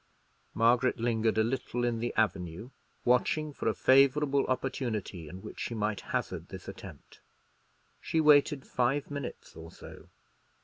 Margaret lingered a little in the avenue, watching for a favourable opportunity in which she might hazard this attempt. She waited five minutes or so.